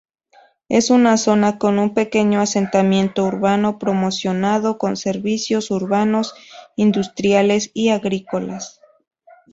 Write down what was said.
Es una zona con un pequeño asentamiento urbano promocionado, con servicios urbanos-industriales y agrícolas.